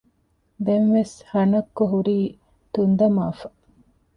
ދެން ވެސް ހަނައްކޮ ހުރީ ތުންދަމާފަ